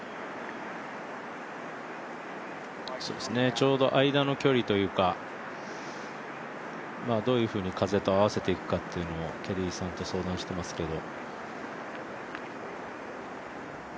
ちょうど間の距離というか、どういうふうに風と合わせていくかというのをキャディーさんと相談してますけど。